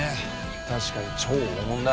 確かに超大物だ。